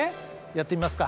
やってみますか？